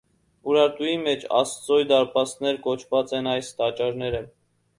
Ուրարտուի մէջ «աստուծոյ դարպասներ» կոչուած են այս տաճարները։